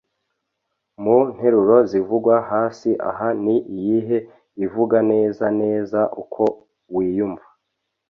mu nteruro zivugwa hasi aha ni iyihe ivuga neza neza uko wiyumva